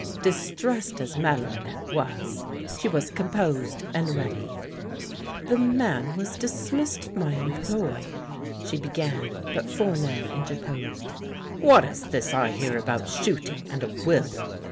Distressed as Madelinette was, she was composed and ready. " The man was dismissed my employ —" she began, but Fournel interposed. "What is this I hear about shooting and a will?'